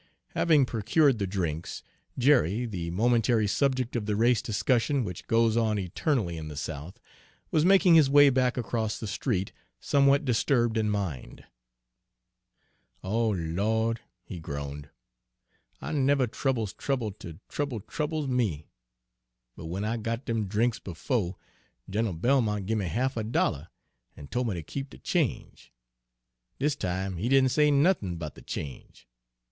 Having procured the drinks, Jerry, the momentary subject of the race discussion which goes on eternally in the South, was making his way back across the street, somewhat disturbed in mind. "O Lawd!" he groaned, "I never troubles trouble till trouble troubles me; but w'en I got dem drinks befo', Gin'l Belmont gimme half a dollar an' tol' me ter keep de change. Dis time he didn' say nothin' 'bout de change.